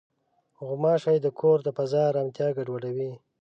غوماشې د کور د فضا ارامتیا ګډوډوي.